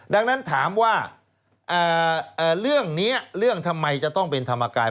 ดังนั้นถามว่าเรื่องนี้เรื่องทำไมจะต้องเป็นธรรมกาย